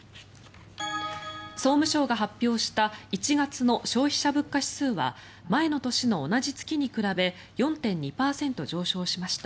総務省が発表した１月の消費者物価指数は前の年の同じ月に比べ４．２％上昇しました。